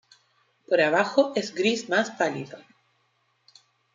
Por abajo es gris más pálido.